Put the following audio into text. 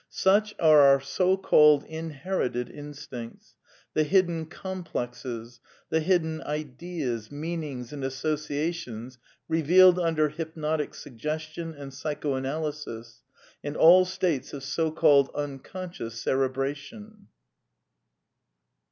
Such are our so called inherited instincts, the hidden " complexes,'^ the hidden ideas, meanings and associations revealed under hypnotic suggestion and psychoanalysis; and aU states of soKsalled " imconscious cerebration."